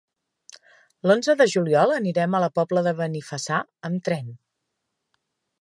L'onze de juliol anirem a la Pobla de Benifassà amb tren.